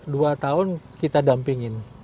dua tahun kita dampingin